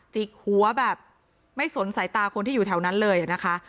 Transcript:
จิกหัวแบบไม่สนสายตาคนที่อยู่แถวนั้นเลยนะคะ